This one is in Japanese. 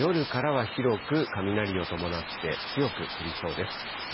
特に夜からは広く雷を伴って強く降りそうです。